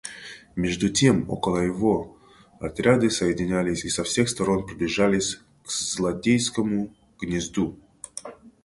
Между тем около его отряды соединялись и со всех сторон приближались к злодейскому гнезду.